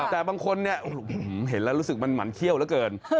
แต่บางคนเนี่ยเห็นแล้วรู้สึกมันหมั่นเขี้ยวเหลือเกิน